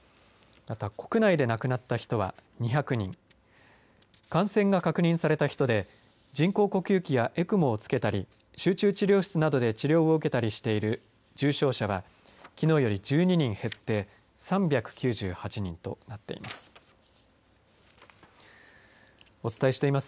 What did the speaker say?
また、国内で亡くなった人は２００人感染が確認された人で人工呼吸器やＥＣＭＯをつけたり集中治療室などで治療を受けたりしている重症者はきのうより１２人減って３９８人となっています。